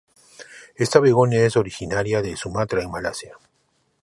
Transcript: Esta begonia es originaria de Sumatra en Malasia.